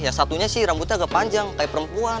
ya satunya sih rambutnya agak panjang kayak perempuan